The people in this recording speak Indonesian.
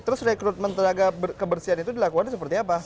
terus rekrutmen tenaga kebersihan itu dilakukan seperti apa